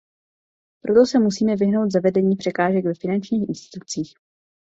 Proto se musíme vyhnout zavedení překážek ve finančních institucích.